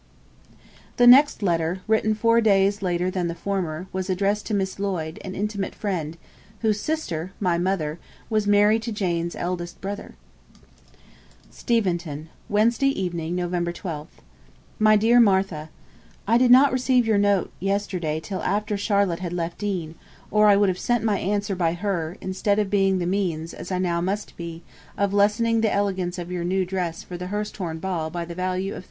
The next letter, written four days later than the former, was addressed to Miss Lloyd, an intimate friend, whose sister (my mother) was married to Jane's eldest brother: 'Steventon, Wednesday evening, Nov. 12th. 'MY DEAR MARTHA, 'I did not receive your note yesterday till after Charlotte had left Deane, or I would have sent my answer by her, instead of being the means, as I now must be, of lessening the elegance of your new dress for the Hurstbourne ball by the value of 3_d_.